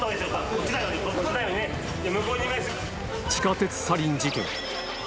地下鉄サリン事件